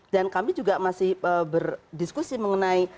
dan kami juga masih berdiskusi mengenai